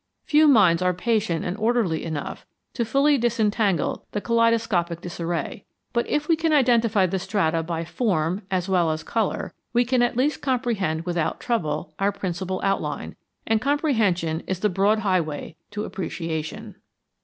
Few minds are patient and orderly enough to fully disentangle the kaleidoscopic disarray, but, if we can identify the strata by form as well as color, we can at least comprehend without trouble our principal outline; and comprehension is the broad highway to appreciation.